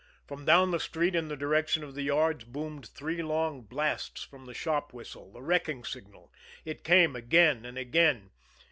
From down the street in the direction of the yards boomed three long blasts from the shop whistle the wrecking signal. It came again and again.